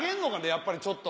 やっぱりちょっと。